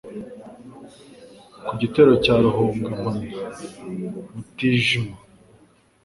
ku gitero cya Ruhunga mpamya Mutijima.